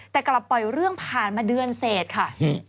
แต่กลับปล่อยเรื่องผ่านมาเดือนเศษค่ะ